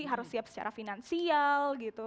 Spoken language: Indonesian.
harus siap secara finansial gitu